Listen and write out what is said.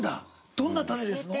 どんな種ですの？